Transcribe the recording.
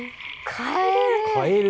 カエル！